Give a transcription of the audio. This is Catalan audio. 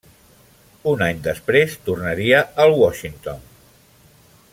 Un any després tornaria al Washington.